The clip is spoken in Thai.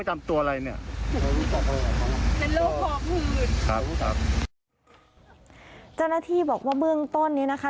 เจ้าหน้าที่บอกว่าเบื้องต้นนี้นะคะ